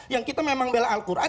yang kita memang bela al quran